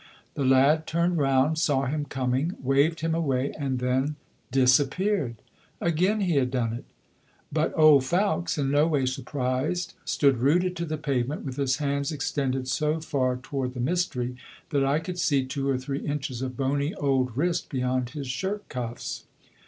The lad turned round, saw him coming, waved him away, and then disappeared. Again he had done it; but old Fowkes, in no way surprised, stood rooted to the pavement with his hands extended so far toward the mystery that I could see two or three inches of bony old wrist beyond his shirt cuffs.